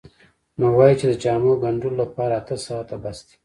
نو وایي چې د جامو ګنډلو لپاره اته ساعته بس دي.